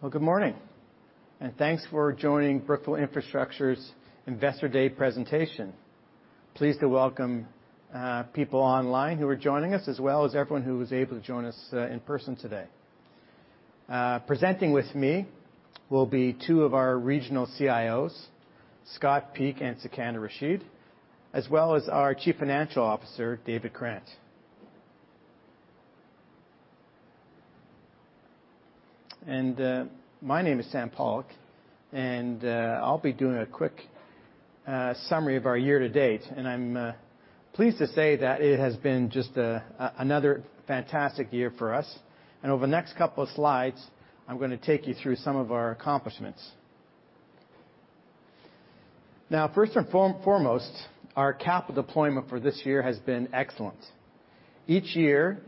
Well, good morning, thanks for joining Brookfield Infrastructure's Investor Day presentation. Pleased to welcome people online who are joining us, as well as everyone who was able to join us in person today. Presenting with me will be two of our regional CIOs, Scott Peak and Sikander Rashid, as well as our Chief Financial Officer, David Krant. My name is Sam Pollock, and I'll be doing a quick summary of our year to date, and I'm pleased to say that it has been just another fantastic year for us. Over the next couple of slides, I'm going to take you through some of our accomplishments. Now, first and foremost, our capital deployment for this year has been excellent. Each year,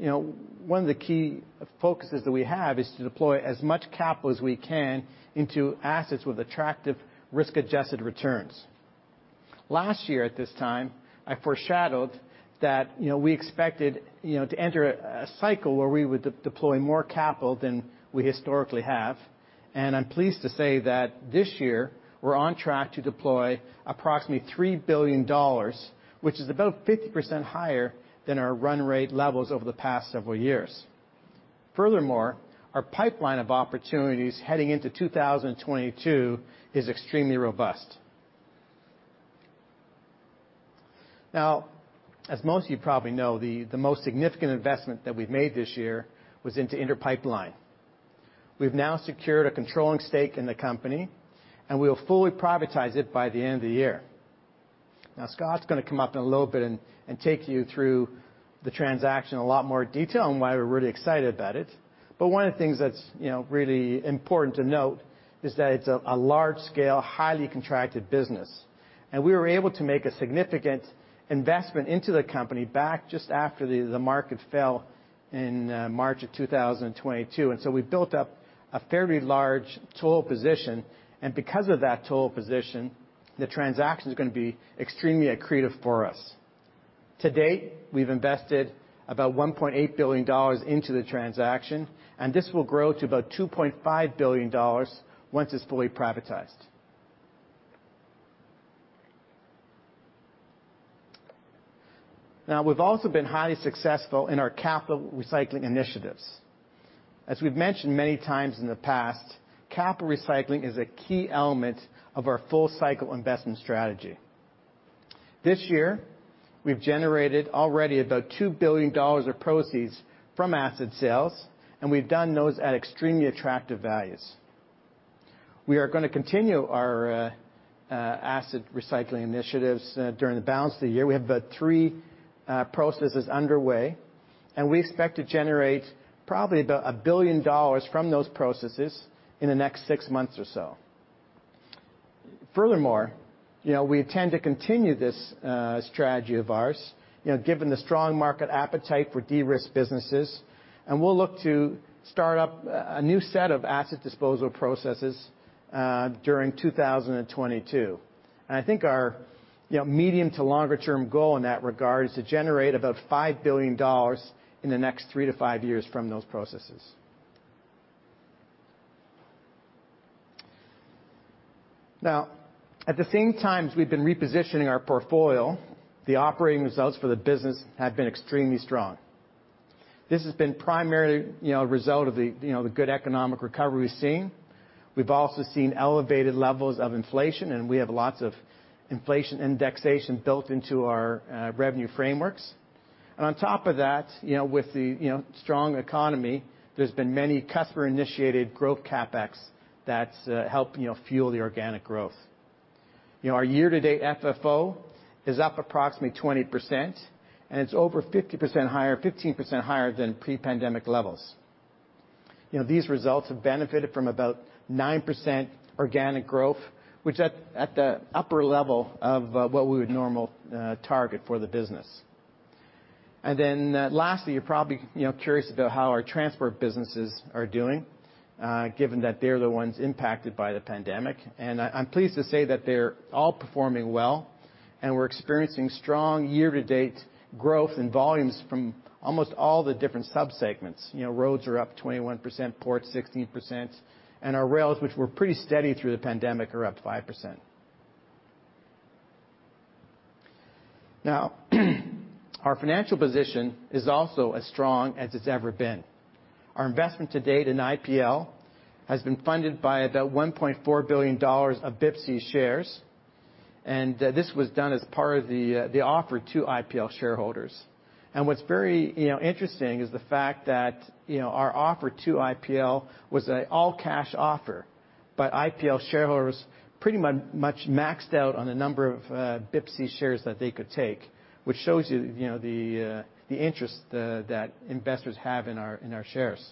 one of the key focuses that we have is to deploy as much capital as we can into assets with attractive risk-adjusted returns. Last year at this time, I foreshadowed that we expected to enter a cycle where we would deploy more capital than we historically have. I'm pleased to say that this year, we're on track to deploy approximately $3 billion, which is about 50% higher than our run rate levels over the past several years. Furthermore, our pipeline of opportunities heading into 2022 is extremely robust. As most of you probably know, the most significant investment that we've made this year was into Inter Pipeline. We've now secured a controlling stake in the company, and we will fully privatize it by the end of the year. Scott's going to come up in a little bit and take you through the transaction in a lot more detail and why we're really excited about it. One of the things that's really important to note is that it's a large-scale, highly contracted business. We were able to make a significant investment into the company back just after the market fell in March of 2020. We built up a fairly large toll position, and because of that toll position, the transaction is going to be extremely accretive for us. To date, we've invested about $1.8 billion into the transaction, and this will grow to about $2.5 billion once it's fully privatized. We've also been highly successful in our capital recycling initiatives. As we've mentioned many times in the past, capital recycling is a key element of our full-cycle investment strategy. This year, we've generated already about $2 billion of proceeds from asset sales, and we've done those at extremely attractive values. We are going to continue our asset recycling initiatives during the balance of the year. We have about three processes underway, We expect to generate probably about a billion dollar from those processes in the next six months or so. Furthermore, we intend to continue this strategy of ours, given the strong market appetite for de-risk businesses. We'll look to start up a new set of asset disposal processes during 2022. I think our medium to longer term goal in that regard is to generate about $5 billion in the next three to five years from those processes. At the same times we've been repositioning our portfolio, the operating results for the business have been extremely strong. This has been primarily a result of the good economic recovery we've seen. We've also seen elevated levels of inflation, and we have lots of inflation indexation built into our revenue frameworks. On top of that, with the strong economy, there's been many customer-initiated growth CapEx that's helped fuel the organic growth. Our year-to-date FFO is up approximately 20%, and it's over 15% higher than pre-pandemic levels. These results have benefited from about 9% organic growth, which at the upper level of what we would normally target for the business. Lastly, you're probably curious about how our transport businesses are doing, given that they're the ones impacted by the pandemic. I'm pleased to say that they're all performing well, and we're experiencing strong year-to-date growth in volumes from almost all the different sub-segments. Roads are up 21%, ports 16%, and our rails, which were pretty steady through the pandemic, are up 5%. Now, our financial position is also as strong as it's ever been. Our investment to date in IPL has been funded by about $1.4 billion of BIPC shares. This was done as part of the offer to IPL shareholders. What's very interesting is the fact that our offer to IPL was an all-cash offer, but IPL shareholders pretty much maxed out on the number of BIPC shares that they could take, which shows you the interest that investors have in our shares.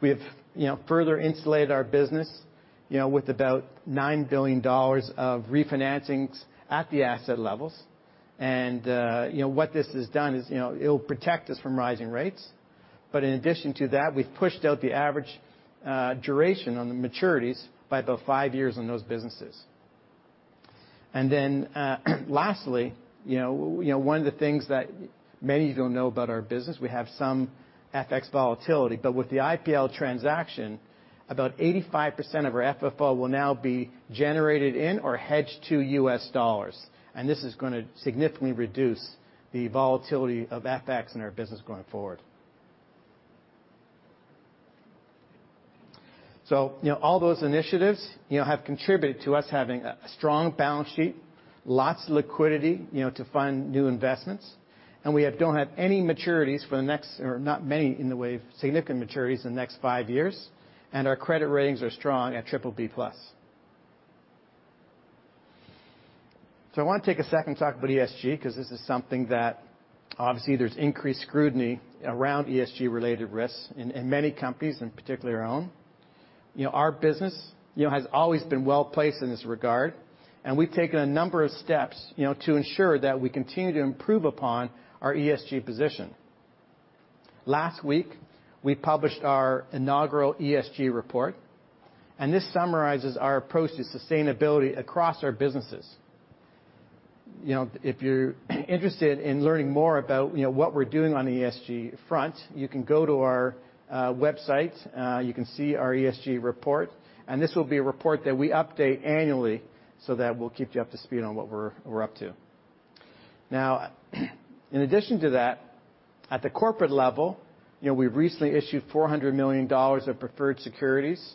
We have further insulated our business with about $9 billion of refinancings at the asset levels. What this has done is it'll protect us from rising rates. In addition to that, we've pushed out the average duration on the maturities by about five years on those businesses. Lastly, one of the things that many don't know about our business, we have some FX volatility. With the IPL transaction, about 85% of our FFO will now be generated in or hedged to US dollars, and this is going to significantly reduce the volatility of FX in our business going forward. All those initiatives have contributed to us having a strong balance sheet, lots of liquidity to fund new investments, and we don't have any maturities for the next, or not many in the way of significant maturities in the next five years. Our credit ratings are strong at BBB+. I want to take a second to talk about ESG, because this is something that obviously there's increased scrutiny around ESG-related risks in many companies, in particular our own. Our business has always been well-placed in this regard, and we've taken a number of steps to ensure that we continue to improve upon our ESG position. Last week, we published our inaugural ESG report, and this summarizes our approach to sustainability across our businesses. If you're interested in learning more about what we're doing on the ESG front, you can go to our website. You can see our ESG report, and this will be a report that we update annually so that we'll keep you up to speed on what we're up to. In addition to that, at the corporate level, we recently issued $400 million of preferred securities,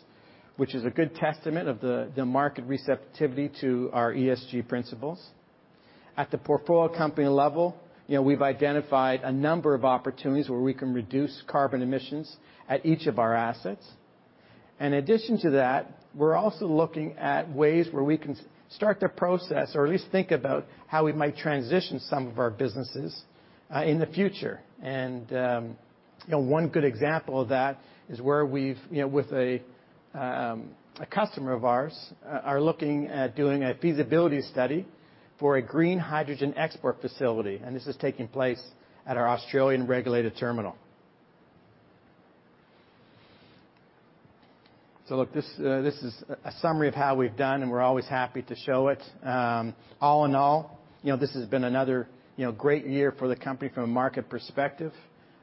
which is a good testament of the market receptivity to our ESG principles. At the portfolio company level, we've identified a number of opportunities where we can reduce carbon emissions at each of our assets. We're also looking at ways where we can start the process or at least think about how we might transition some of our businesses in the future. One good example of that is where we've, with a customer of ours, are looking at doing a feasibility study for a green hydrogen export facility, and this is taking place at our Australian regulated terminal. Look, this is a summary of how we've done, and we're always happy to show it. All in all, this has been another great year for the company from a market perspective.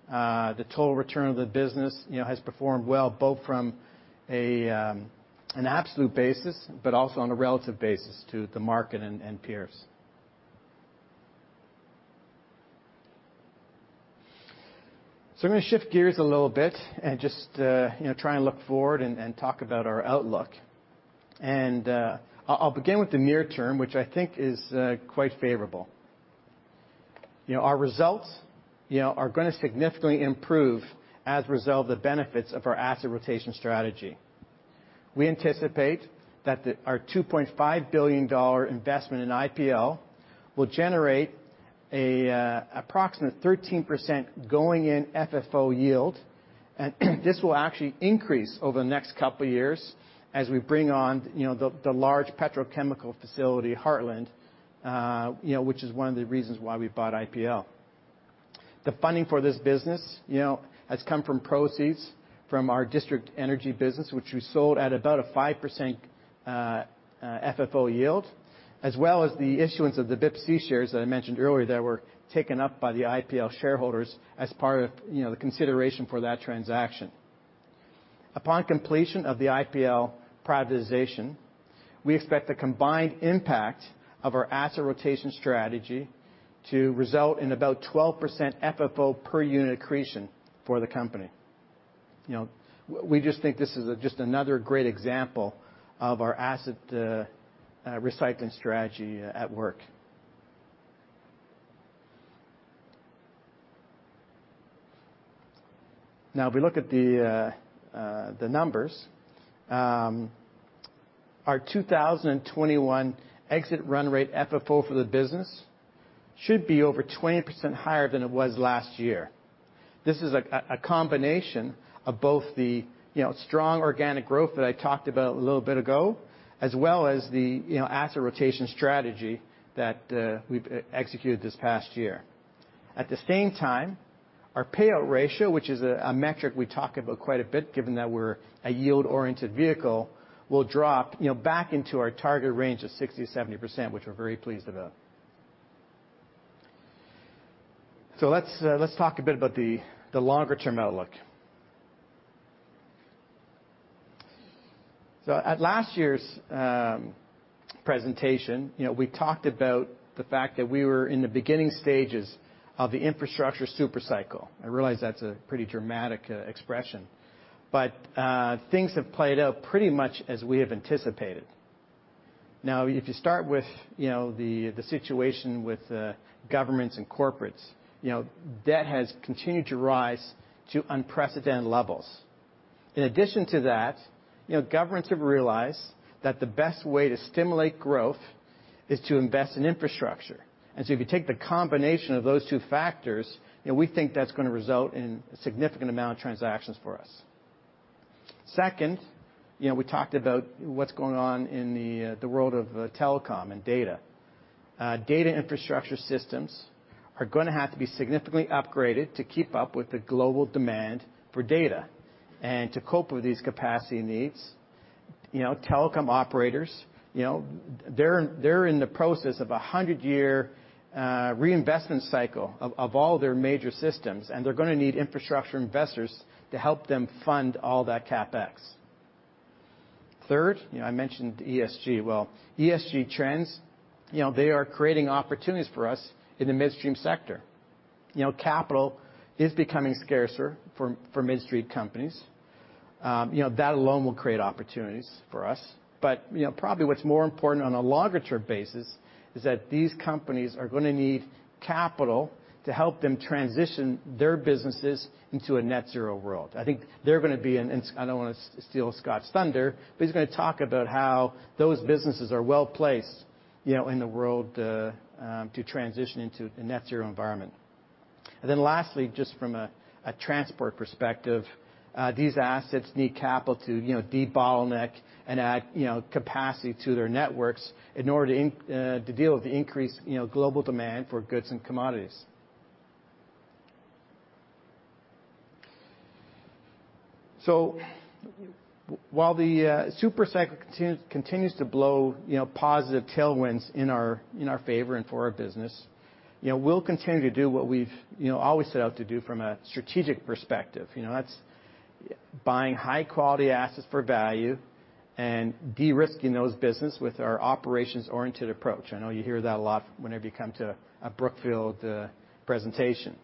The total return of the business has performed well, both from an absolute basis, but also on a relative basis to the market and peers. I'm going to shift gears a little bit and just try and look forward and talk about our outlook. I'll begin with the near term, which I think is quite favorable. Our results are going to significantly improve as a result of the benefits of our asset rotation strategy. We anticipate that our $2.5 billion investment in IPL will generate an approximate 13% going-in FFO yield. This will actually increase over the next couple of years as we bring on the large petrochemical facility, Heartland, which is one of the reasons why we bought IPL. The funding for this business has come from proceeds from our district energy business, which we sold at about a 5% FFO yield, as well as the issuance of the BIPC shares that I mentioned earlier that were taken up by the IPL shareholders as part of the consideration for that transaction. Upon completion of the IPL privatization, we expect the combined impact of our asset rotation strategy to result in about 12% FFO per unit accretion for the company. We just think this is just another great example of our asset recycling strategy at work. If we look at the numbers, our 2021 exit run rate FFO for the business should be over 20% higher than it was last year. This is a combination of both the strong organic growth that I talked about a little bit ago, as well as the asset rotation strategy that we've executed this past year. At the same time, our payout ratio, which is a metric we talk about quite a bit given that we're a yield-oriented vehicle, will drop back into our target range of 60%-70%, which we're very pleased about. Let's talk a bit about the longer-term outlook. At last year's presentation, we talked about the fact that we were in the beginning stages of the infrastructure super cycle. I realize that's a pretty dramatic expression, but things have played out pretty much as we have anticipated. Now, if you start with the situation with governments and corporates, debt has continued to rise to unprecedented levels. In addition to that, governments have realized that the best way to stimulate growth is to invest in infrastructure. If you take the combination of those two factors, we think that's going to result in a significant amount of transactions for us. Second, we talked about what's going on in the world of telecom and data. Data infrastructure systems are going to have to be significantly upgraded to keep up with the global demand for data. To cope with these capacity needs, telecom operators, they're in the process of a 100-year reinvestment cycle of all their major systems, and they're going to need infrastructure investors to help them fund all that CapEx. Third, I mentioned ESG. Well, ESG trends, they are creating opportunities for us in the midstream sector. Capital is becoming scarcer for midstream companies. That alone will create opportunities for us. Probably what's more important on a longer-term basis is that these companies are going to need capital to help them transition their businesses into a net zero world. I think they're going to be in, I don't want to steal Scott's thunder, but he's going to talk about how those businesses are well-placed in the world to transition into a net zero environment. Lastly, just from a transport perspective, these assets need capital to de-bottleneck and add capacity to their networks in order to deal with the increased global demand for goods and commodities. While the super cycle continues to blow positive tailwinds in our favor and for our business, we'll continue to do what we've always set out to do from a strategic perspective. That's buying high-quality assets for value and de-risking those business with our operations-oriented approach. I know you hear that a lot whenever you come to a Brookfield presentation.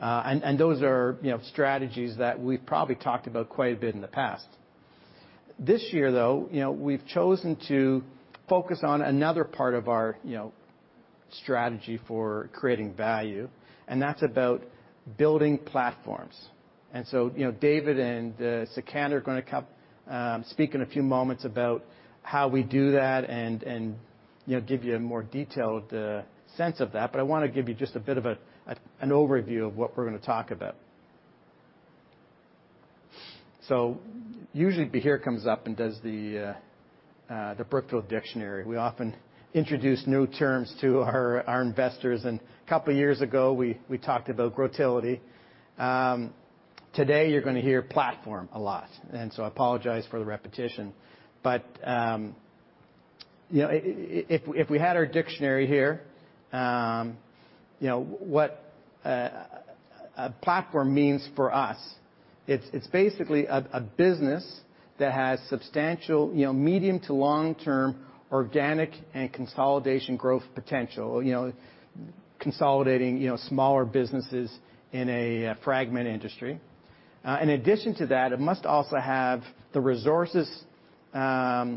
Those are strategies that we've probably talked about quite a bit in the past. This year, though, we've chosen to focus on another part of our strategy for creating value, and that's about building platforms. David and Sikander are going to speak in a few moments about how we do that and give you a more detailed sense of that. I want to give you just a bit of an overview of what we're going to talk about. Usually Bahir comes up and does the Brookfield dictionary. We often introduce new terms to our investors, and a couple of years ago, we talked about growtility. Today, you're going to hear platform a lot, and so I apologize for the repetition. If we had our dictionary here, what a platform means for us, it's basically a business that has substantial medium to long-term organic and consolidation growth potential, consolidating smaller businesses in a fragmented industry. In addition to that, it must also have the resources, the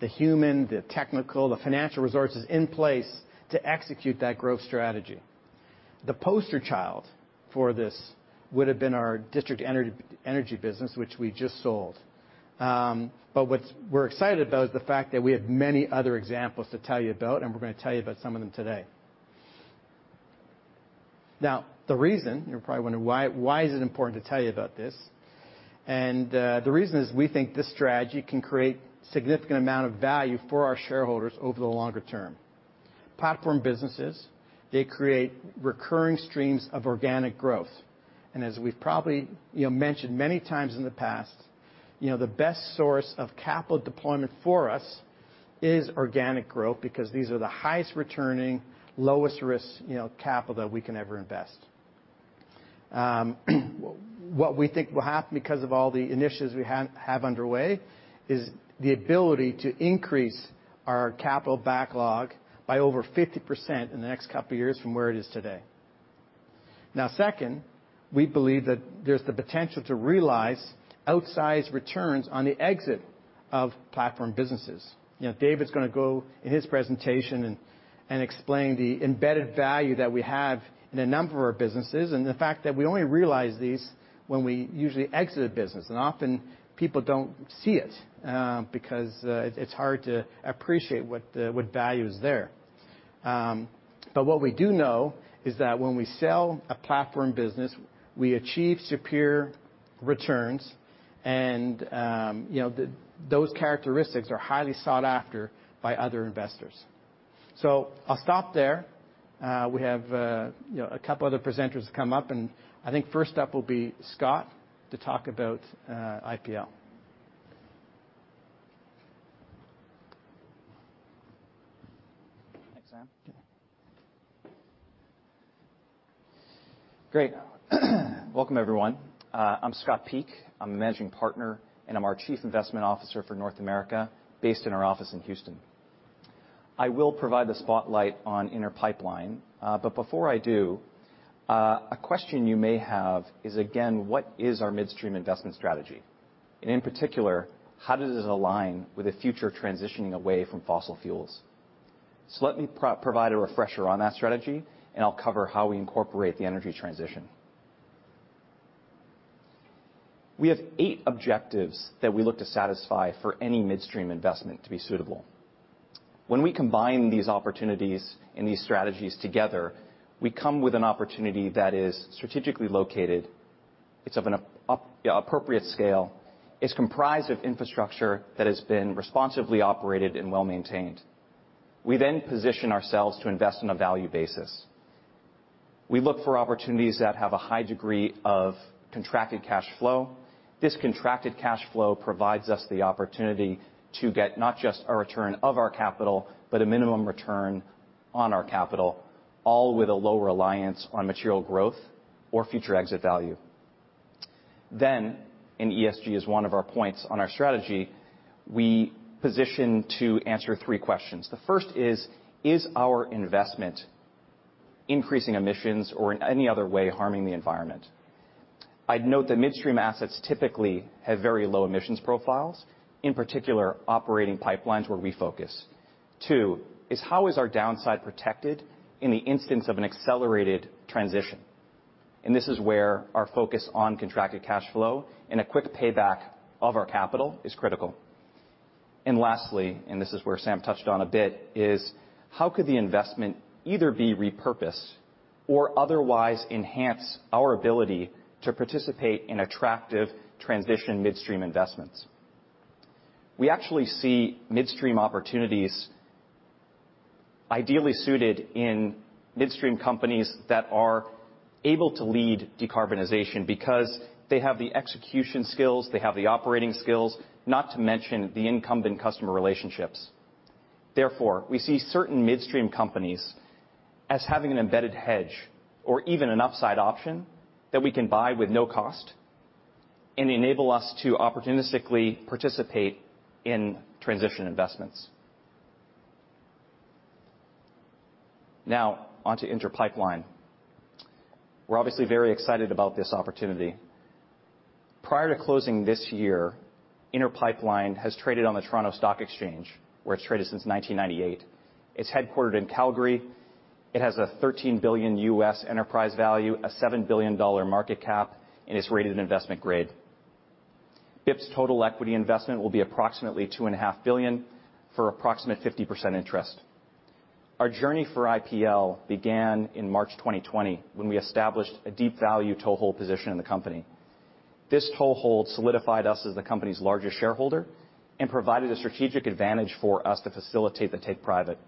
human, the technical, the financial resources in place to execute that growth strategy. The poster child for this would have been our district energy business, which we just sold. What we're excited about is the fact that we have many other examples to tell you about, and we're going to tell you about some of them today. The reason, you're probably wondering why is it important to tell you about this? The reason is we think this strategy can create significant amount of value for our shareholders over the longer term. Platform businesses, they create recurring streams of organic growth. As we've probably mentioned many times in the past, the best source of capital deployment for us is organic growth because these are the highest returning, lowest risk capital that we can ever invest. What we think will happen because of all the initiatives we have underway is the ability to increase our capital backlog by over 50% in the next couple of years from where it is today. Second, we believe that there's the potential to realize outsized returns on the exit of platform businesses. David's going to go in his presentation and explain the embedded value that we have in a number of our businesses, and the fact that we only realize these when we usually exit a business. And often people don't see it, because it's hard to appreciate what value is there. What we do know is that when we sell a platform business, we achieve superior returns and those characteristics are highly sought after by other investors. I'll stop there. We have a couple other presenters to come up, and I think first up will be Scott to talk about IPL. Thanks, Sam. Yeah. Great. Welcome, everyone. I'm Scott Peak. I'm a Managing Partner, and I'm our Chief Investment Officer for North America, based in our office in Houston. I will provide the spotlight on Inter Pipeline. Before I do, a question you may have is, again, what is our midstream investment strategy? In particular, how does it align with a future transitioning away from fossil fuels? Let me provide a refresher on that strategy, and I'll cover how we incorporate the energy transition. We have eight objectives that we look to satisfy for any midstream investment to be suitable. When we combine these opportunities and these strategies together, we come with an opportunity that is strategically located. It's of an appropriate scale. It's comprised of infrastructure that has been responsively operated and well-maintained. We position ourselves to invest on a value basis. We look for opportunities that have a high degree of contracted cash flow. This contracted cash flow provides us the opportunity to get not just a return of our capital, but a minimum return on our capital, all with a low reliance on material growth or future exit value. ESG is one of our points on our strategy, we position to answer three questions. The first is: Is our investment increasing emissions or in any other way harming the environment? I'd note that midstream assets typically have very low emissions profiles. In particular, operating pipelines where we focus. Two is: How is our downside protected in the instance of an accelerated transition? This is where our focus on contracted cash flow and a quick payback of our capital is critical. Lastly, and this is where Sam touched on a bit, is how could the investment either be repurposed or otherwise enhance our ability to participate in attractive transition midstream investments? We actually see midstream opportunities ideally suited in midstream companies that are able to lead decarbonization because they have the execution skills, they have the operating skills, not to mention the incumbent customer relationships. Therefore, we see certain midstream companies as having an embedded hedge or even an upside option that we can buy with no cost and enable us to opportunistically participate in transition investments. Now onto Inter Pipeline. We're obviously very excited about this opportunity. Prior to closing this year, Inter Pipeline has traded on the Toronto Stock Exchange, where it's traded since 1998. It's headquartered in Calgary. It has a $13 billion U.S. enterprise value, a $7 billion market cap, and is rated investment grade. BIP's total equity investment will be approximately $2.5 billion for approximate 50% interest. Our journey for IPL began in March 2020 when we established a deep value toehold position in the company. This toehold solidified us as the company's largest shareholder and provided a strategic advantage for us to facilitate the take private.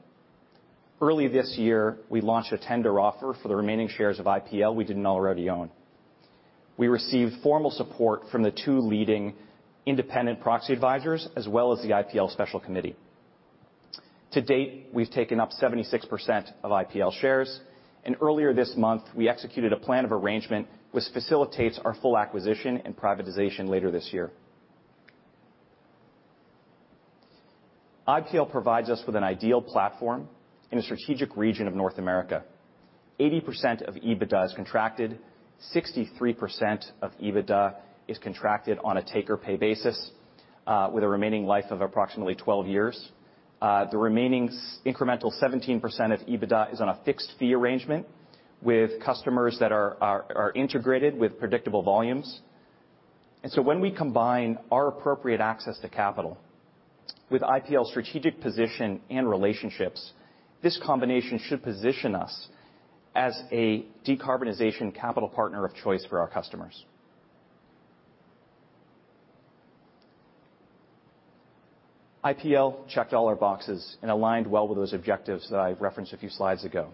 Early this year, we launched a tender offer for the remaining shares of IPL we didn't already own. We received formal support from the two leading independent proxy advisors, as well as the IPL special committee. To date, we've taken up 76% of IPL shares, and earlier this month, we executed a plan of arrangement which facilitates our full acquisition and privatization later this year. IPL provides us with an ideal platform in a strategic region of North America. 80% of EBITDA is contracted. 63% of EBITDA is contracted on a take-or-pay basis, with a remaining life of approximately 12 years. The remaining incremental 17% of EBITDA is on a fixed fee arrangement with customers that are integrated with predictable volumes. When we combine our appropriate access to capital with IPL's strategic position and relationships, this combination should position us as a decarbonization capital partner of choice for our customers. IPL checked all our boxes and aligned well with those objectives that I referenced a few slides ago.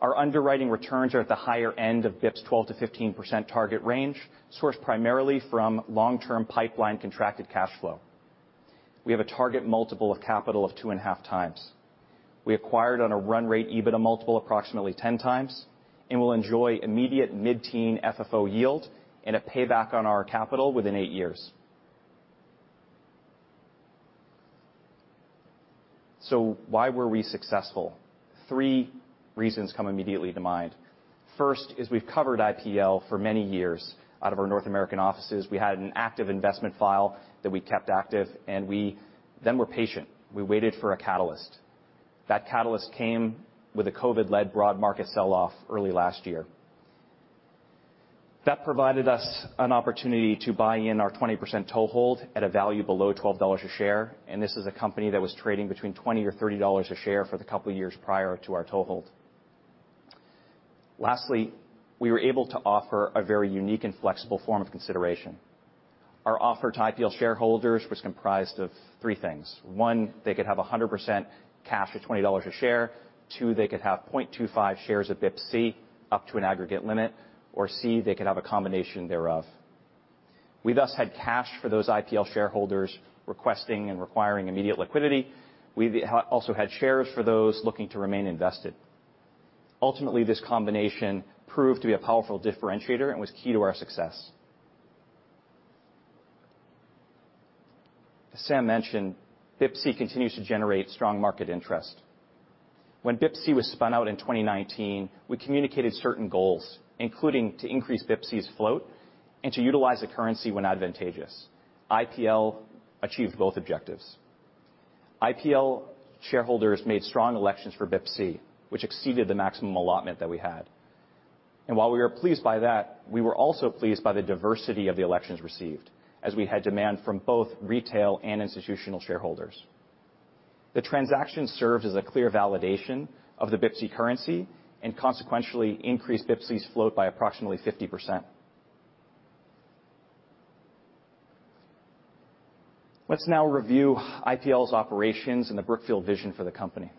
Our underwriting returns are at the higher end of BIP's 12%-15% target range, sourced primarily from long-term pipeline contracted cash flow. We have a target multiple of capital of 2.5x. We acquired on a run rate EBITDA multiple approximately 10x, and we'll enjoy immediate mid-teen FFO yield and a payback on our capital within eight years. Why were we successful? Three reasons come immediately to mind. First is we've covered IPL for many years out of our North American offices. We had an active investment file that we kept active, we then were patient. We waited for a catalyst. That catalyst came with a COVID-led broad market sell-off early last year. That provided us an opportunity to buy in our 20% toehold at a value below $12 a share, this is a company that was trading between $20 or $30 a share for the couple of years prior to our toehold. Lastly, we were able to offer a very unique and flexible form of consideration. Our offer to IPL shareholders was comprised of three things. One, they could have 100% cash for $20 a share. Two, they could have $0.25 shares of BIPC up to an aggregate limit. Or C, they could have a combination thereof. We thus had cash for those IPL shareholders requesting and requiring immediate liquidity. We also had shares for those looking to remain invested. Ultimately, this combination proved to be a powerful differentiator and was key to our success. As Sam mentioned, BIPC continues to generate strong market interest. When BIPC was spun out in 2019, we communicated certain goals, including to increase BIPC's float and to utilize the currency when advantageous. IPL achieved both objectives. IPL shareholders made strong elections for BIPC, which exceeded the maximum allotment that we had. While we were pleased by that, we were also pleased by the diversity of the elections received, as we had demand from both retail and institutional shareholders. The transaction serves as a clear validation of the BIPC currency, and consequentially increased BIPC's float by approximately 50%. Let's now review IPL's operations and the Brookfield vision for the company.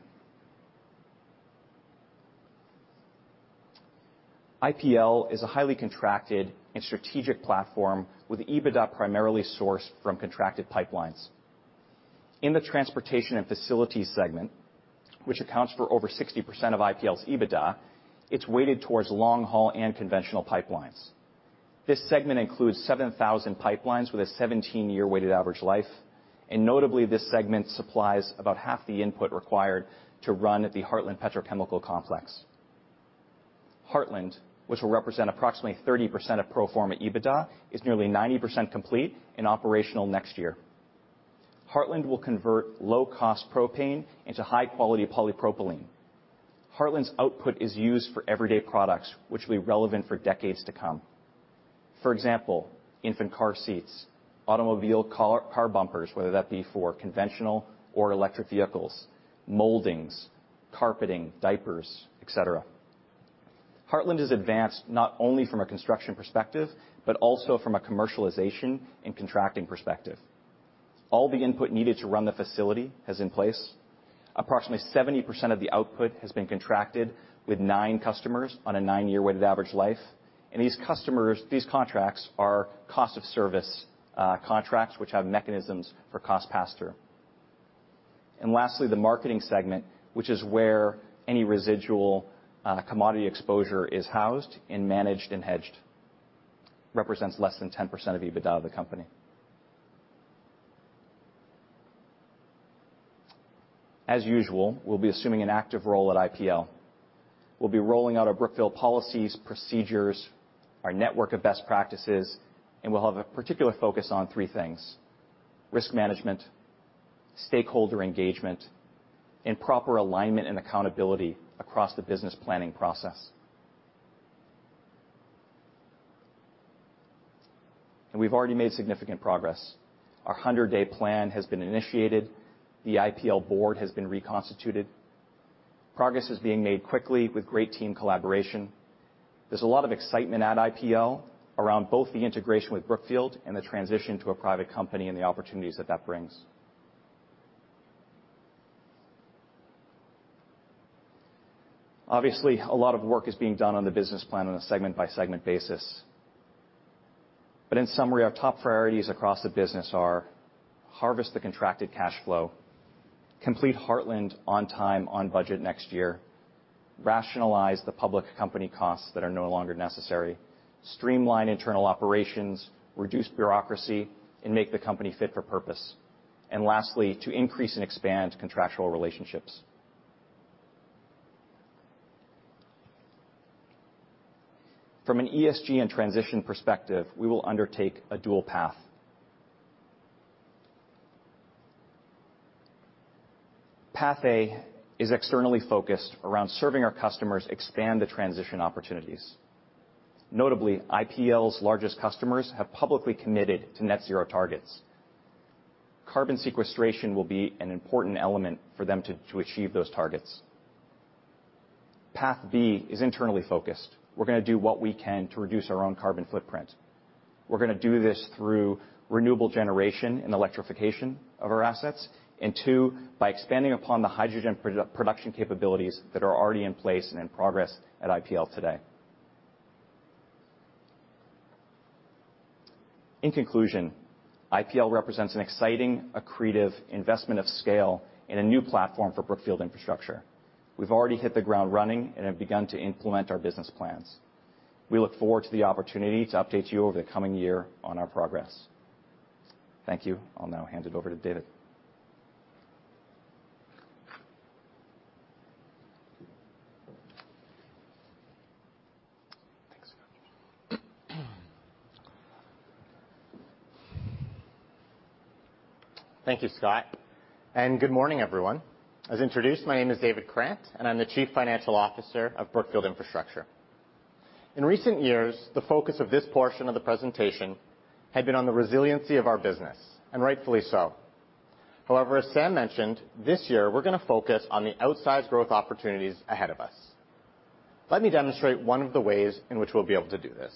IPL is a highly contracted and strategic platform with EBITDA primarily sourced from contracted pipelines. In the transportation and facilities segment, which accounts for over 60% of IPL's EBITDA, it's weighted towards long haul and conventional pipelines. This segment includes 7,000 pipelines with a 17-year weighted average life, and notably, this segment supplies about half the input required to run the Heartland Petrochemical Complex. Heartland, which will represent approximately 30% of pro forma EBITDA, is nearly 90% complete and operational next year. Heartland will convert low-cost propane into high-quality polypropylene. Heartland's output is used for everyday products, which will be relevant for decades to come. For example, infant car seats, automobile car bumpers, whether that be for conventional or electric vehicles, moldings, carpeting, diapers, et cetera. Heartland is advanced not only from a construction perspective, but also from a commercialization and contracting perspective. All the input needed to run the facility is in place. Approximately 70% of the output has been contracted with nine customers on a nine-year weighted average life. These contracts are cost-of-service contracts, which have mechanisms for cost pass-through. Lastly, the marketing segment, which is where any residual commodity exposure is housed and managed and hedged, represents less than 10% of EBITDA of the company. As usual, we'll be assuming an active role at IPL. We'll be rolling out our Brookfield policies, procedures, our network of best practices, and we'll have a particular focus on three things: risk management, stakeholder engagement, and proper alignment and accountability across the business planning process. We've already made significant progress. Our 100-day plan has been initiated. The IPL board has been reconstituted. Progress is being made quickly with great team collaboration. There's a lot of excitement at IPL around both the integration with Brookfield and the transition to a private company and the opportunities that that brings. Obviously, a lot of work is being done on the business plan on a segment-by-segment basis. In summary, our top priorities across the business are harvest the contracted cash flow, complete Heartland on time, on budget next year, rationalize the public company costs that are no longer necessary, streamline internal operations, reduce bureaucracy, and make the company fit for purpose. Lastly, to increase and expand contractual relationships. From an ESG and transition perspective, we will undertake a dual path. Path A is externally focused around serving our customers expand the transition opportunities. Notably, IPL's largest customers have publicly committed to net zero targets. Carbon sequestration will be an important element for them to achieve those targets. Path B is internally focused. We're going to do what we can to reduce our own carbon footprint. We're going to do this through renewable generation and electrification of our assets, and two, by expanding upon the hydrogen production capabilities that are already in place and in progress at IPL today. In conclusion, IPL represents an exciting, accretive investment of scale and a new platform for Brookfield Infrastructure. We've already hit the ground running and have begun to implement our business plans. We look forward to the opportunity to update you over the coming year on our progress. Thank you. I'll now hand it over to David. Thank you, Scott. Good morning, everyone. As introduced, my name is David Krant, and I'm the Chief Financial Officer of Brookfield Infrastructure. In recent years, the focus of this portion of the presentation had been on the resiliency of our business, and rightfully so. However, as Sam mentioned, this year we're going to focus on the outsized growth opportunities ahead of us. Let me demonstrate one of the ways in which we'll be able to do this.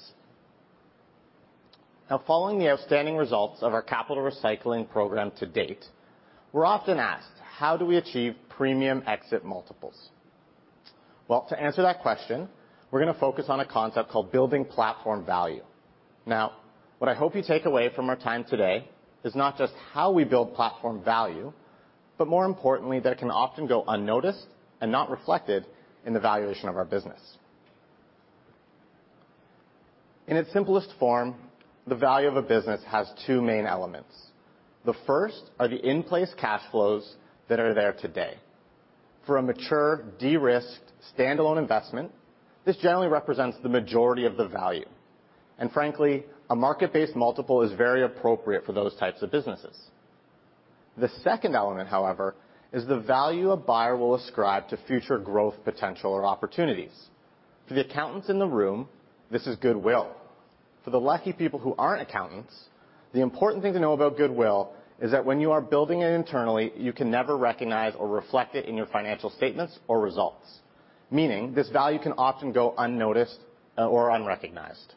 Following the outstanding results of our capital recycling program to date, we're often asked, "How do we achieve premium exit multiples?" Well, to answer that question, we're going to focus on a concept called building platform value. What I hope you take away from our time today is not just how we build platform value, but more importantly, that it can often go unnoticed and not reflected in the valuation of our business. In its simplest form, the value of a business has two main elements. The first are the in-place cash flows that are there today. For a mature, de-risked, standalone investment, this generally represents the majority of the value. Frankly, a market-based multiple is very appropriate for those types of businesses. The second element, however, is the value a buyer will ascribe to future growth potential or opportunities. For the accountants in the room, this is goodwill. For the lucky people who aren't accountants, the important thing to know about goodwill is that when you are building it internally, you can never recognize or reflect it in your financial statements or results. Meaning this value can often go unnoticed or unrecognized.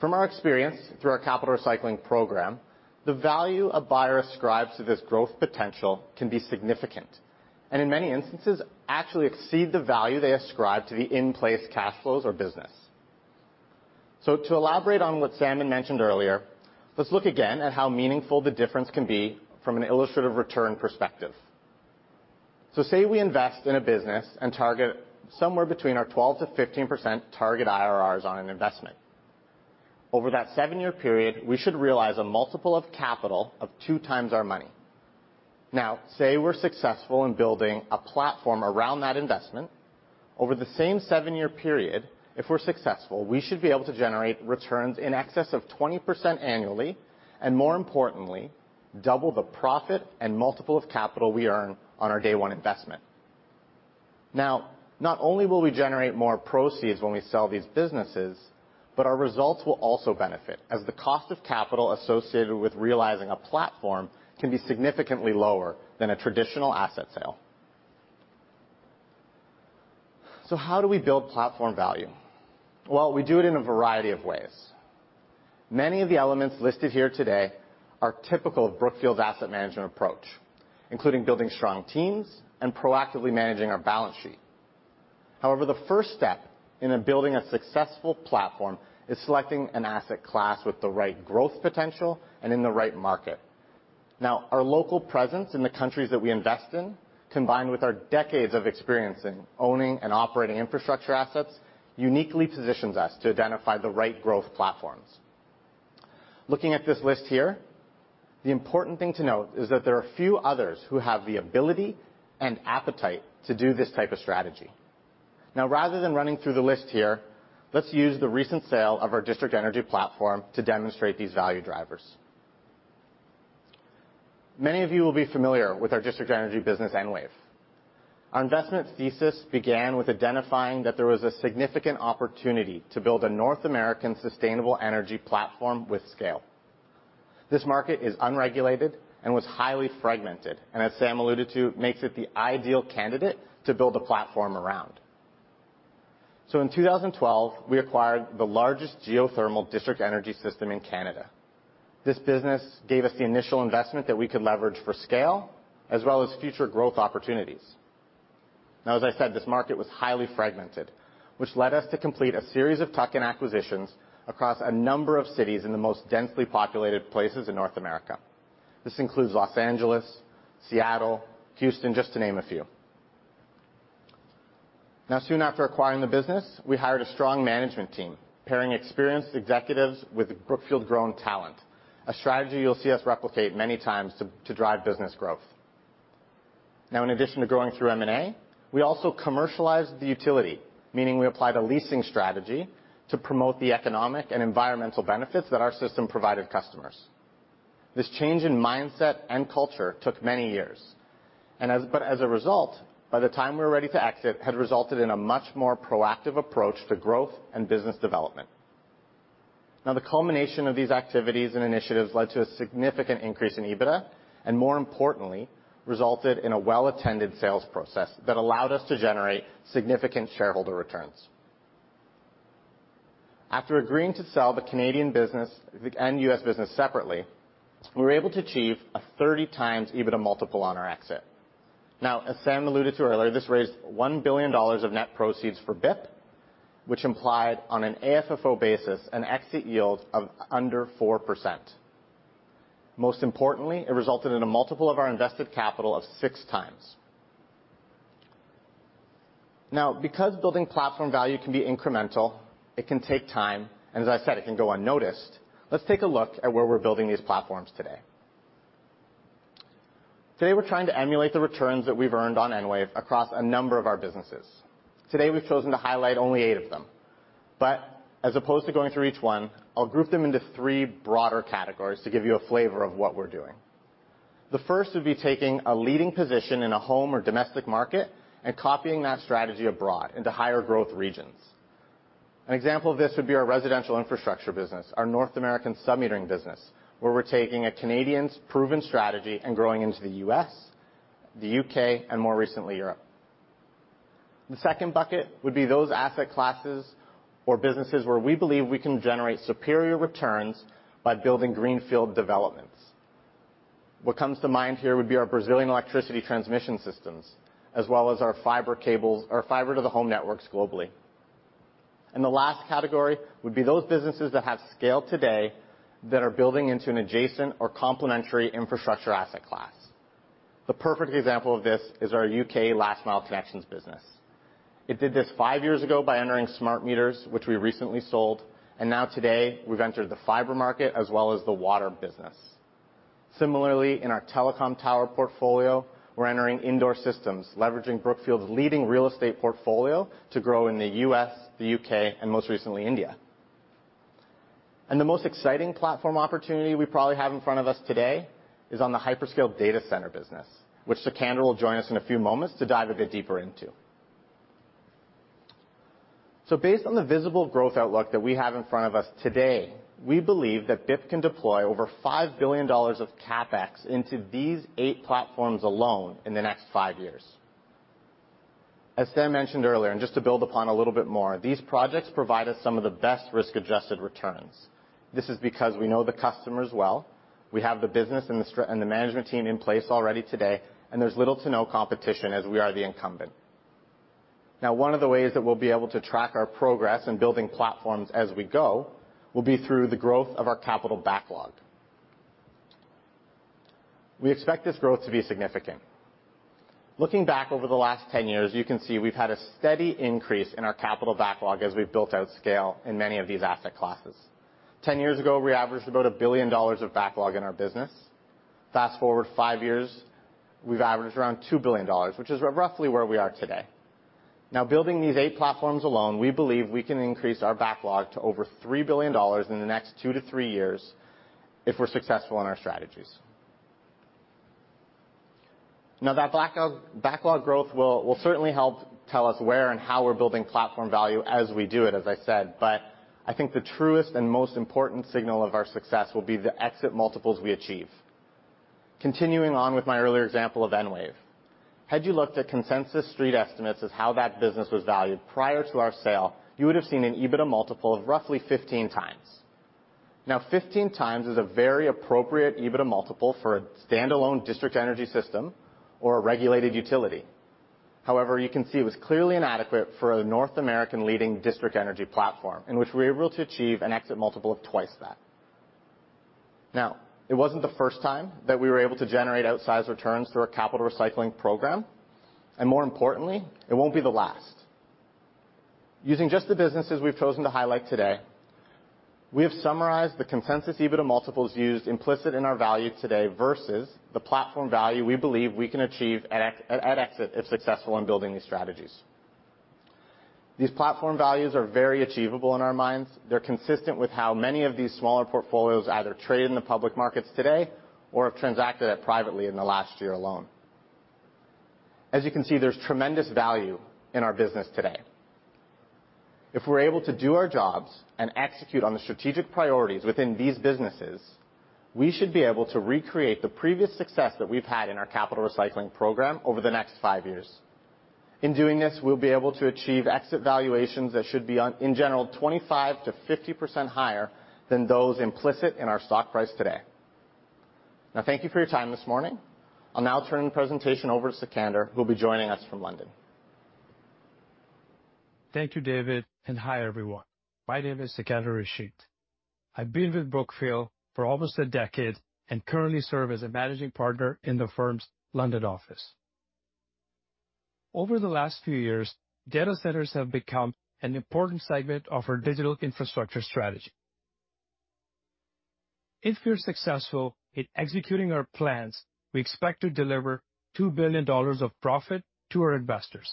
From our experience through our capital recycling program, the value a buyer ascribes to this growth potential can be significant, and in many instances, actually exceed the value they ascribe to the in-place cash flows or business. To elaborate on what Sam had mentioned earlier, let's look again at how meaningful the difference can be from an illustrative return perspective. Say we invest in a business and target somewhere between our 12%-15% target IRRs on an investment. Over that seven-year period, we should realize a multiple of capital of two times our money. Say we're successful in building a platform around that investment. Over the same seven-year period, if we're successful, we should be able to generate returns in excess of 20% annually, and more importantly, double the profit and multiple of capital we earn on our day one investment. Not only will we generate more proceeds when we sell these businesses, but our results will also benefit, as the cost of capital associated with realizing a platform can be significantly lower than a traditional asset sale. How do we build platform value? We do it in a variety of ways. Many of the elements listed here today are typical of Brookfield's asset management approach, including building strong teams and proactively managing our balance sheet. However, the first step in building a successful platform is selecting an asset class with the right growth potential and in the right market. Now, our local presence in the countries that we invest in, combined with our decades of experience in owning and operating infrastructure assets, uniquely positions us to identify the right growth platforms. Looking at this list here, the important thing to note is that there are few others who have the ability and appetite to do this type of strategy. Now, rather than running through the list here, let's use the recent sale of our district energy platform to demonstrate these value drivers. Many of you will be familiar with our district energy business, Enwave. Our investment thesis began with identifying that there was a significant opportunity to build a North American sustainable energy platform with scale. This market is unregulated and was highly fragmented, and as Sam alluded to, makes it the ideal candidate to build a platform around. In 2012, we acquired the largest geothermal district energy system in Canada. This business gave us the initial investment that we could leverage for scale, as well as future growth opportunities. As I said, this market was highly fragmented, which led us to complete a series of tuck-in acquisitions across a number of cities in the most densely populated places in North America. This includes Los Angeles, Seattle, Houston, just to name a few. Soon after acquiring the business, we hired a strong management team pairing experienced executives with Brookfield grown talent, a strategy you'll see us replicate many times to drive business growth. In addition to growing through M&A, we also commercialized the utility, meaning we applied a leasing strategy to promote the economic and environmental benefits that our system provided customers. This change in mindset and culture took many years. As a result, by the time we were ready to exit, had resulted in a much more proactive approach to growth and business development. Now, the culmination of these activities and initiatives led to a significant increase in EBITDA, and more importantly, resulted in a well-attended sales process that allowed us to generate significant shareholder returns. After agreeing to sell the Canadian business and U.S. business separately, we were able to achieve a 30x EBITDA multiple on our exit. Now, as Sam alluded to earlier, this raised $1 billion of net proceeds for BIP, which implied, on an AFFO basis, an exit yield of under 4%. Most importantly, it resulted in a multiple of our invested capital of 6x. Because building platform value can be incremental, it can take time, and as I said, it can go unnoticed, let's take a look at where we're building these platforms today. Today, we're trying to emulate the returns that we've earned on Enwave across a number of our businesses. Today, we've chosen to highlight only eight of them. As opposed to going through each one, I'll group them into three broader categories to give you a flavor of what we're doing. The first would be taking a leading position in a home or domestic market and copying that strategy abroad into higher growth regions. An example of this would be our residential infrastructure business, our North American sub-metering business, where we're taking a Canadian's proven strategy and growing into the U.S., the U.K., and more recently, Europe. The second bucket would be those asset classes or businesses where we believe we can generate superior returns by building greenfield developments. What comes to mind here would be our Brazilian electricity transmission systems, as well as our fiber to the home networks globally. The last category would be those businesses that have scale today that are building into an adjacent or complementary infrastructure asset class. The perfect example of this is our U.K. last mile connections business. It did this five years ago by entering smart meters, which we recently sold, and now today, we've entered the fiber market as well as the water business. Similarly, in our telecom tower portfolio, we're entering indoor systems, leveraging Brookfield's leading real estate portfolio to grow in the U.S., the U.K., and most recently, India. The most exciting platform opportunity we probably have in front of us today is on the hyperscale data center business, which Sikander will join us in a few moments to dive a bit deeper into. Based on the visible growth outlook that we have in front of us today, we believe that BIP can deploy over $5 billion of CapEx into these eight platforms alone in the next five years. As Sam mentioned earlier, and just to build upon a little bit more, these projects provide us some of the best risk-adjusted returns. This is because we know the customers well, we have the business and the management team in place already today, and there's little to no competition as we are the incumbent. One of the ways that we'll be able to track our progress in building platforms as we go will be through the growth of our capital backlog. We expect this growth to be significant. Looking back over the last 10 years, you can see we've had a steady increase in our capital backlog as we've built out scale in many of these asset classes. 10 years ago, we averaged about $1 billion of backlog in our business. Fast-forward five years, we've averaged around $2 billion, which is roughly where we are today. Building these eight platforms alone, we believe we can increase our backlog to over $3 billion in the next two to three years if we're successful in our strategies. That backlog growth will certainly help tell us where and how we're building platform value as we do it, as I said, but I think the truest and most important signal of our success will be the exit multiples we achieve. Continuing on with my earlier example of Enwave. Had you looked at consensus street estimates as how that business was valued prior to our sale, you would have seen an EBITDA multiple of roughly 15x. 15x is a very appropriate EBITDA multiple for a standalone district energy system or a regulated utility. However, you can see it was clearly inadequate for a North American leading district energy platform, in which we were able to achieve an exit multiple of 2x that. Now, it wasn't the first time that we were able to generate outsized returns through our capital recycling program, and more importantly, it won't be the last. Using just the businesses we've chosen to highlight today, we have summarized the consensus EBITDA multiples used implicit in our value today versus the platform value we believe we can achieve at exit if successful in building these strategies. These platform values are very achievable in our minds. They're consistent with how many of these smaller portfolios either trade in the public markets today or have transacted it privately in the last year alone. As you can see, there's tremendous value in our business today. If we're able to do our jobs and execute on the strategic priorities within these businesses, we should be able to recreate the previous success that we've had in our capital recycling program over the next five years. In doing this, we'll be able to achieve exit valuations that should be, in general, 25%-50% higher than those implicit in our stock price today. Now, thank you for your time this morning. I'll now turn the presentation over to Sikander, who'll be joining us from London. Thank you, David. Hi, everyone. My name is Sikander Rashid. I've been with Brookfield for almost a decade and currently serve as a managing partner in the firm's London office. Over the last few years, data centers have become an important segment of our digital infrastructure strategy. If we are successful in executing our plans, we expect to deliver $2 billion of profit to our investors.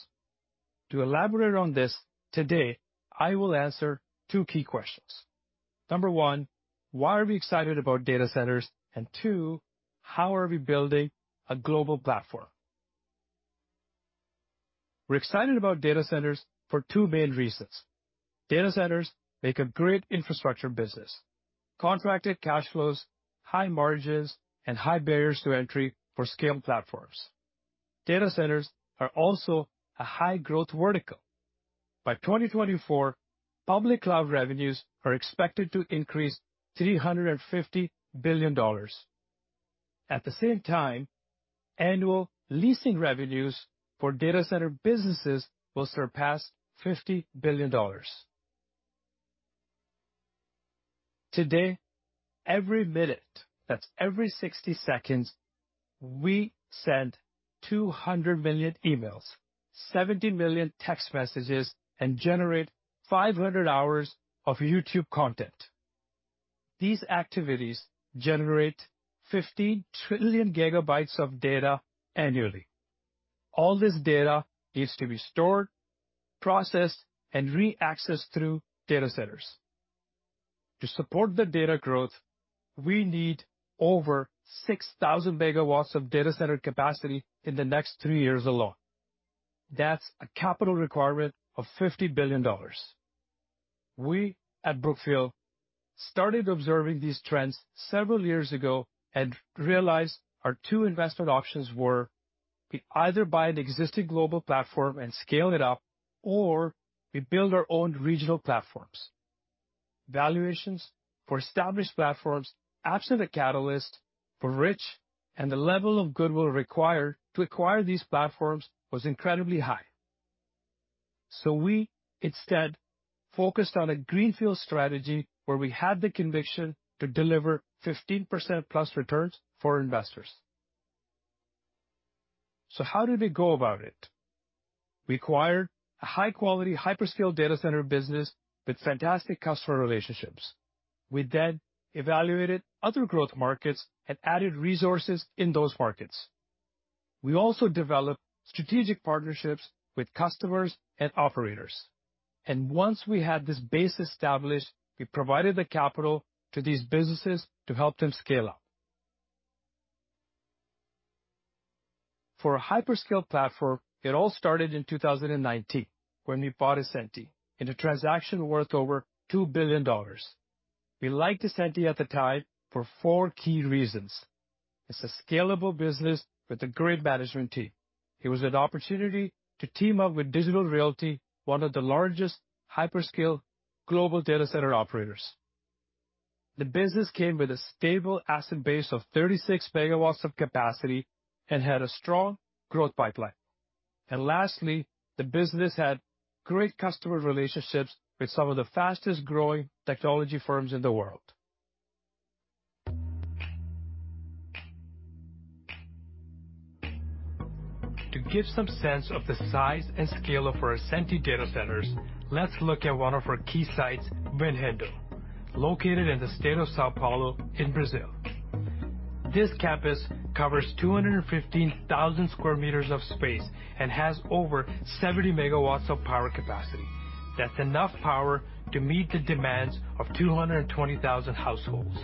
To elaborate on this, today, I will answer two key questions. Number one, why are we excited about data centers? Two, how are we building a global platform? We're excited about data centers for two main reasons. Data centers make a great infrastructure business. Contracted cash flows, high margins, and high barriers to entry for scale platforms. Data centers are also a high-growth vertical. By 2024, public cloud revenues are expected to increase $350 billion. At the same time, annual leasing revenues for data center businesses will surpass $50 billion. Today, every minute, that's every 60 seconds, we send 200 million emails, 70 million text messages, and generate 500 hours of YouTube content. These activities generate 50 trillion GB of data annually. All this data needs to be stored, processed, and reaccessed through data centers. To support the data growth, we need over 6,000 MW of data center capacity in the next three years alone. That's a capital requirement of $50 billion. We at Brookfield started observing these trends several years ago and realized our two investment options were we either buy an existing global platform and scale it up, or we build our own regional platforms. Valuations for established platforms absent a catalyst were rich, and the level of goodwill required to acquire these platforms was incredibly high. We instead focused on a greenfield strategy where we had the conviction to deliver 15%+ returns for investors. How did we go about it? We acquired a high-quality, hyperscale data center business with fantastic customer relationships. We then evaluated other growth markets and added resources in those markets. We also developed strategic partnerships with customers and operators. Once we had this base established, we provided the capital to these businesses to help them scale up. For a hyperscale platform, it all started in 2019, when we bought Ascenty in a transaction worth over $2 billion. We liked Ascenty at the time for four key reasons. It's a scalable business with a great management team. It was an opportunity to team up with Digital Realty, one of the largest hyperscale global data center operators. The business came with a stable asset base of 36 MW of capacity and had a strong growth pipeline. Lastly, the business had great customer relationships with some of the fastest-growing technology firms in the world. To give some sense of the size and scale of our Ascenty data centers, let's look at one of our key sites, Vinhedo, located in the state of São Paulo in Brazil. This campus covers 215,000 sq m of space and has over 70 MW of power capacity. That's enough power to meet the demands of 220,000 households.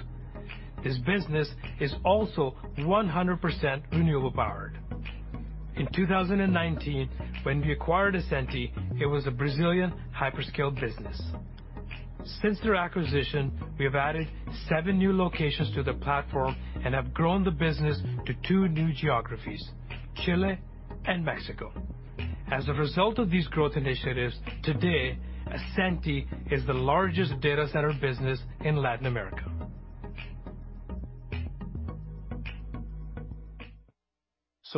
This business is also 100% renewable powered. In 2019, when we acquired Ascenty, it was a Brazilian hyperscale business. Since their acquisition, we have added seven new locations to the platform and have grown the business to two new geographies, Chile and Mexico. As a result of these growth initiatives, today, Ascenty is the largest data center business in Latin America.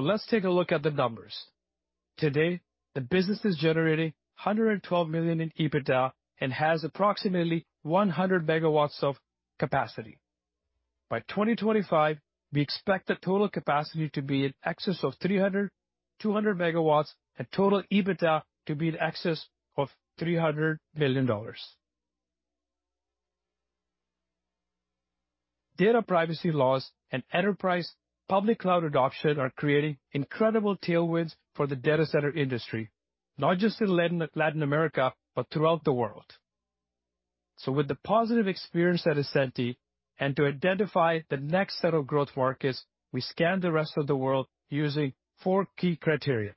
Let's take a look at the numbers. Today, the business is generating $112 million in EBITDA and has approximately 100 MW of capacity. By 2025, we expect the total capacity to be in excess of 200 MW and total EBITDA to be in excess of $300 million. Data privacy laws and enterprise public cloud adoption are creating incredible tailwinds for the data center industry, not just in Latin America, but throughout the world. With the positive experience at Ascenty, and to identify the next set of growth markets, we scanned the rest of the world using four key criteria.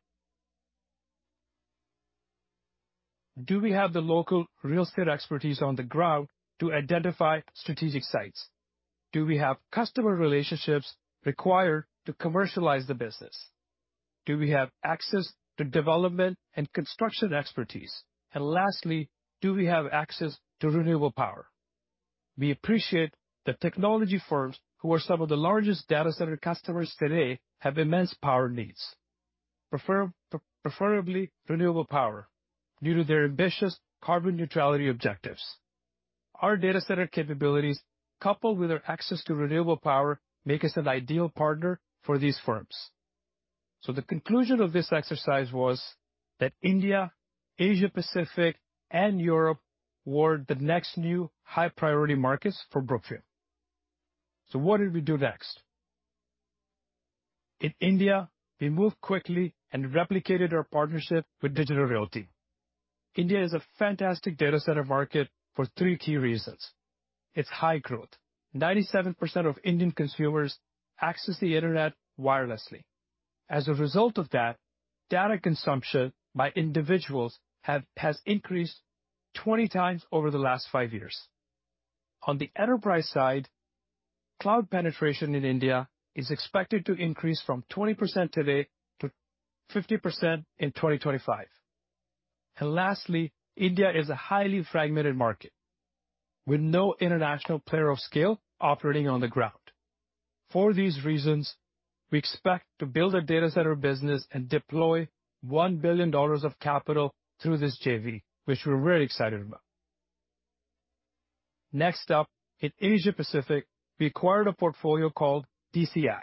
Do we have the local real estate expertise on the ground to identify strategic sites? Do we have customer relationships required to commercialize the business? Do we have access to development and construction expertise? Lastly, do we have access to renewable power? We appreciate the technology firms, who are some of the largest data center customers today, have immense power needs, preferably renewable power due to their ambitious carbon neutrality objectives. Our data center capabilities, coupled with our access to renewable power, make us an ideal partner for these firms. The conclusion of this exercise was that India, Asia-Pacific, and Europe were the next new high-priority markets for Brookfield. What did we do next? In India, we moved quickly and replicated our partnership with Digital Realty. India is a fantastic data center market for three key reasons. Its high growth. 97% of Indian consumers access the internet wirelessly. As a result of that, data consumption by individuals has increased 20x over the last five years. On the enterprise side, cloud penetration in India is expected to increase from 20% today to 50% in 2025. Lastly, India is a highly fragmented market with no international player of scale operating on the ground. For these reasons, we expect to build a data center business and deploy $1 billion of capital through this JV, which we're very excited about. Next up, in Asia-Pacific, we acquired a portfolio called DCI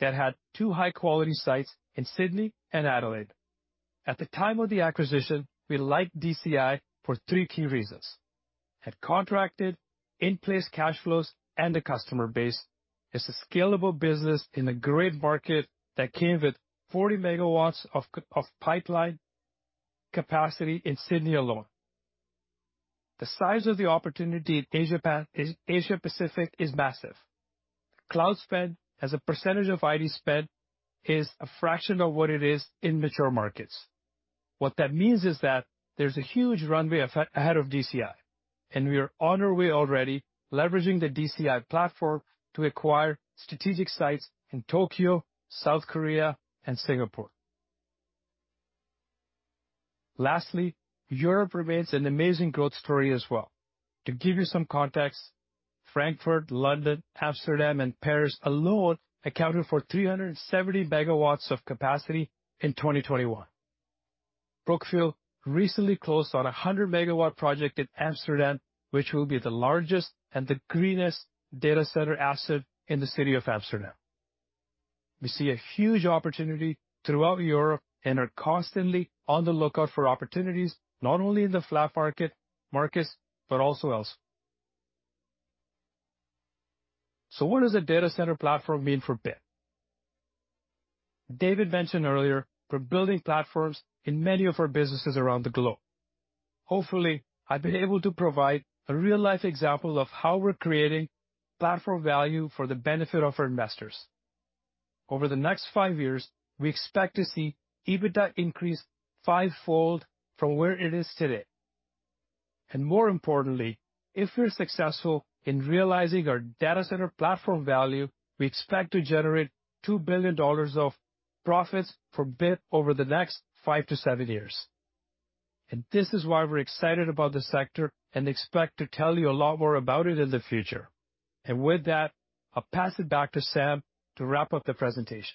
that had two high-quality sites in Sydney and Adelaide. At the time of the acquisition, we liked DCI for three key reasons. It had contracted in-place cash flows and a customer base. It's a scalable business in a great market that came with 40 MW of pipeline capacity in Sydney alone. The size of the opportunity in Asia-Pacific is massive. Cloud spend as a percentage of IT spend is a fraction of what it is in mature markets. What that means is that there's a huge runway ahead of DCI, and we are on our way already leveraging the DCI platform to acquire strategic sites in Tokyo, South Korea, and Singapore. Lastly, Europe remains an amazing growth story as well. To give you some context, Frankfurt, London, Amsterdam, and Paris alone accounted for 370 MW of capacity in 2021. Brookfield recently closed on a 100-MW project in Amsterdam, which will be the largest and the greenest data center asset in the city of Amsterdam. We see a huge opportunity throughout Europe and are constantly on the lookout for opportunities, not only in the flat markets, but also elsewhere. What does a data center platform mean for BIP? David mentioned earlier, we're building platforms in many of our businesses around the globe. Hopefully, I've been able to provide a real-life example of how we're creating platform value for the benefit of our investors. Over the next five years, we expect to see EBITDA increase five-fold from where it is today. More importantly, if we're successful in realizing our data center platform value, we expect to generate $2 billion of profits for BIP over the next five to seven years. This is why we're excited about the sector and expect to tell you a lot more about it in the future. With that, I'll pass it back to Sam to wrap up the presentation.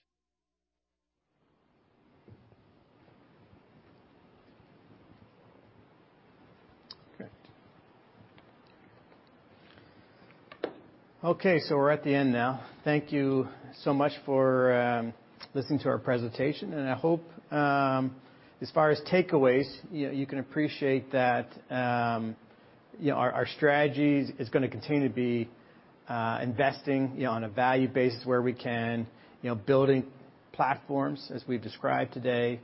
Okay, we're at the end now. Thank you so much for listening to our presentation. I hope, as far as takeaways, you can appreciate that our strategies is going to continue to be investing on a value basis where we can, building platforms as we've described today,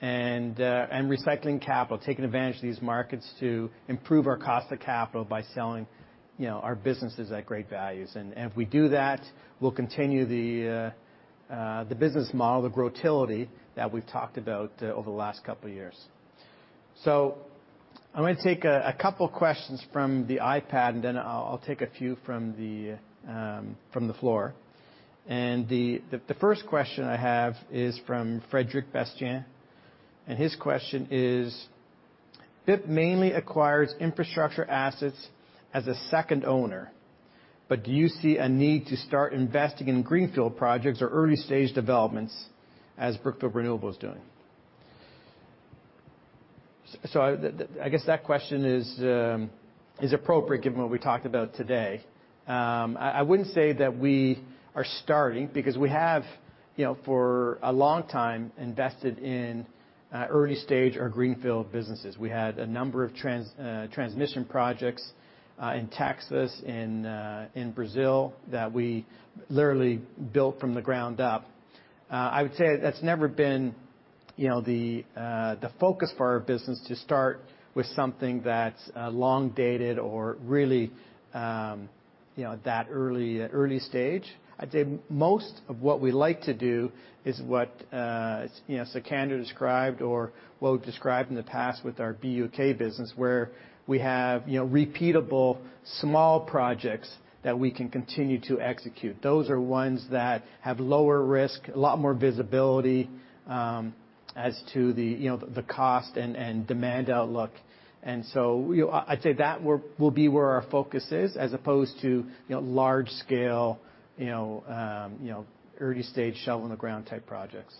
and recycling capital. Taking advantage of these markets to improve our cost of capital by selling our businesses at great values. If we do that, we'll continue the business model, the growtility, that we've talked about over the last couple of years. I'm going to take a couple questions from the iPad, and then I'll take a few from the floor. The first question I have is from Frédéric Bastien, and his question is, "BIP mainly acquires infrastructure assets as a second owner, but do you see a need to start investing in greenfield projects or early-stage developments as Brookfield Renewable is doing?" I guess that question is appropriate given what we talked about today. I wouldn't say that we are starting, because we have, for a long time, invested in early-stage or greenfield businesses. We had a number of transmission projects, in Texas, in Brazil, that we literally built from the ground up. I would say that's never been the focus for our business to start with something that's long dated or really that early stage. I'd say most of what we like to do is what Sikander described or what we've described in the past with our BUK business where we have repeatable small projects that we can continue to execute. Those are ones that have lower risk, a lot more visibility, as to the cost and demand outlook. I'd say that will be where our focus is as opposed to large scale early stage shovel in the ground type projects.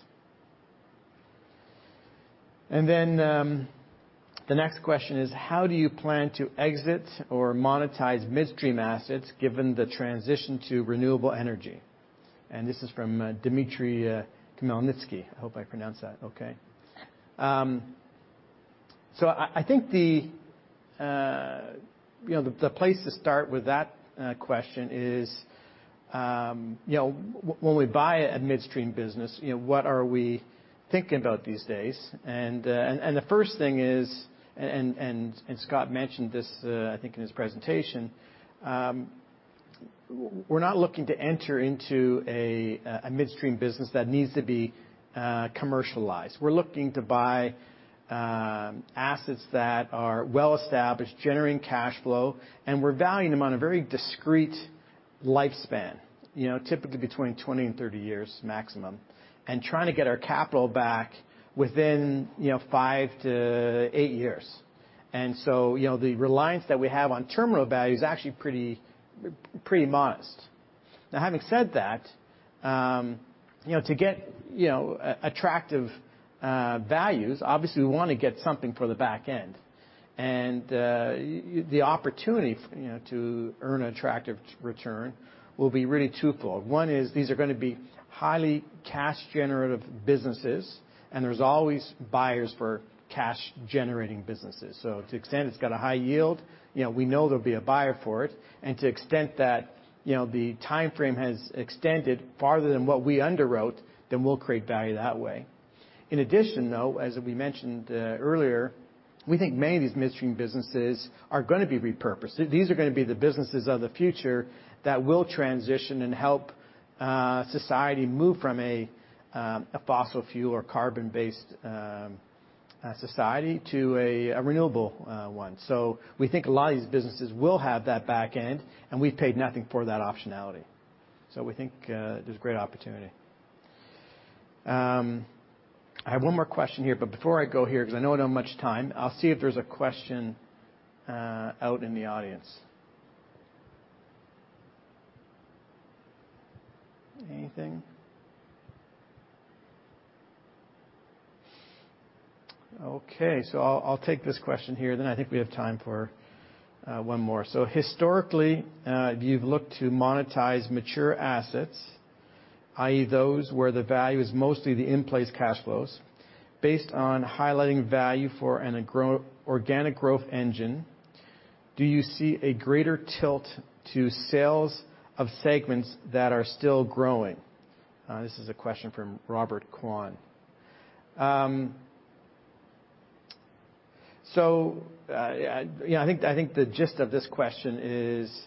The next question is, "How do you plan to exit or monetize midstream assets given the transition to renewable energy?" This is from Dmitry Khmelnitsky. I hope I pronounced that okay. I think the place to start with that question is, when we buy a midstream business, what are we thinking about these days? The first thing is, Scott mentioned this I think in his presentation, we're not looking to enter into a midstream business that needs to be commercialized. We're looking to buy assets that are well established, generating cash flow, and we're valuing them on a very discrete lifespan, typically between 20 years-30 years maximum, and trying to get our capital back within five to eight years. So, the reliance that we have on terminal value is actually pretty modest. Now, having said that, to get attractive values, obviously, we want to get something for the back end. The opportunity to earn an attractive return will be really twofold. One is these are going to be highly cash generative businesses, and there's always buyers for cash generating businesses. To extent it's got a high yield, we know there'll be a buyer for it, and to extent that the timeframe has extended farther than what we underwrote, then we'll create value that way. In addition, though, as we mentioned earlier, we think many of these midstream businesses are going to be repurposed. These are going to be the businesses of the future that will transition and help society move from a fossil fuel or carbon-based society to a renewable one. We think a lot of these businesses will have that back end, and we've paid nothing for that optionality. We think there's great opportunity. I have one more question here, but before I go here, because I know I don't have much time, I'll see if there's a question out in the audience. Anything? Okay. I'll take this question here, then I think we have time for one more. Historically, you've looked to monetize mature assets i.e., those where the value is mostly the in-place cash flows. Based on highlighting value for an organic growth engine, do you see a greater tilt to sales of segments that are still growing? This is a question from Robert Kwan. I think the gist of this question is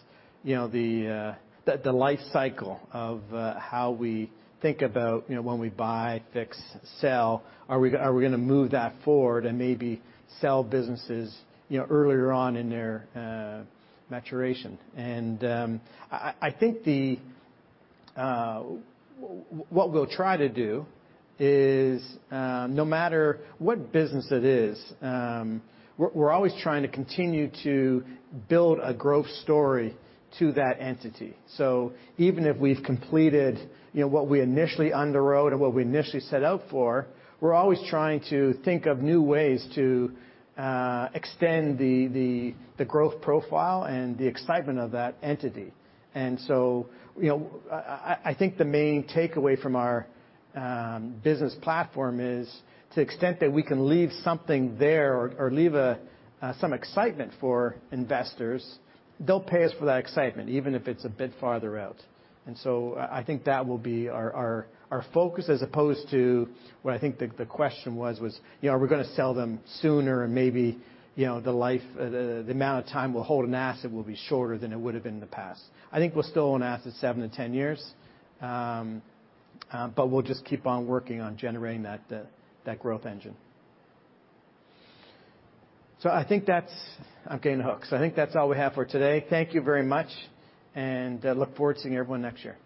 that the life cycle of how we think about when we buy, fix, sell, are we going to move that forward and maybe sell businesses earlier on in their maturation? I think what we'll try to do is, no matter what business it is, we're always trying to continue to build a growth story to that entity. Even if we've completed what we initially underwrote or what we initially set out for, we're always trying to think of new ways to extend the growth profile and the excitement of that entity. I think the main takeaway from our business platform is to the extent that we can leave something there or leave some excitement for investors, they'll pay us for that excitement, even if it's a bit farther out. I think that will be our focus as opposed to what I think the question was, are we going to sell them sooner and maybe the amount of time we'll hold an asset will be shorter than it would've been in the past? I think we'll still own assets 7 years-10 years, but we'll just keep on working on generating that growth engine. I think that's I'm getting the hooks. I think that's all we have for today. Thank you very much. Look forward to seeing everyone next year.